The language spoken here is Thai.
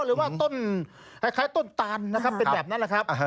หรือว่าต้นคล้ายต้นตานนะครับเป็นแบบนั้นแหละครับ